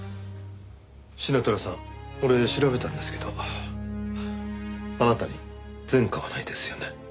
シナトラさん俺調べたんですけどあなたに前科はないですよね？